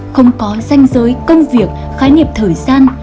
không có danh giới công việc khái niệm thời gian